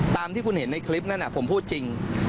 ตามที่คุณเห็นในคลิปนั้นผมพูดจริง